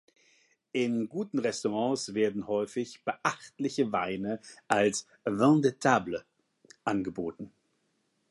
In guten Restaurants werden häufig beachtliche Weine als "Vins de table" angeboten.